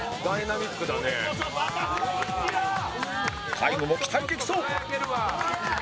タイムも期待できそう